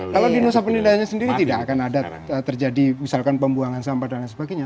kalau di nusa penindaannya sendiri tidak akan ada terjadi misalkan pembuangan sampah dan lain sebagainya